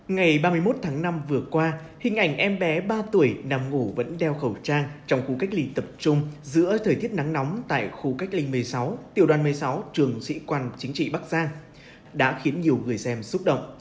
ngày ba mươi một tháng năm vừa qua hình ảnh em bé ba tuổi nằm ngủ vẫn đeo khẩu trang trong khu cách ly tập trung giữa thời tiết nắng nóng tại khu cách ly một mươi sáu tiểu đoàn một mươi sáu trường sĩ quan chính trị bắc giang đã khiến nhiều người xem xúc động